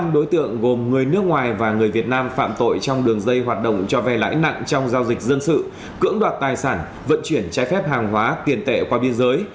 năm đối tượng gồm người nước ngoài và người việt nam phạm tội trong đường dây hoạt động cho vay lãi nặng trong giao dịch dân sự cưỡng đoạt tài sản vận chuyển trái phép hàng hóa tiền tệ qua biên giới